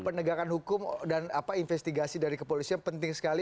penegakan hukum dan investigasi dari kepolisian penting sekali